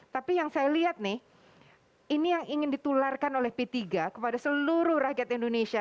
tapi yang saya lihat nih ini yang ingin ditularkan oleh p tiga kepada seluruh rakyat indonesia